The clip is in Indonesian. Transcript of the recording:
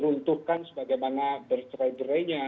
runtuhkan sebagaimana ber trend re nya